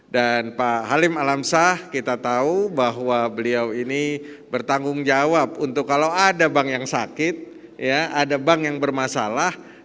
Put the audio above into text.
dan pak halim alamsah kita tahu bahwa beliau ini bertanggung jawab untuk kalau ada bank yang sakit ada bank yang bermasalah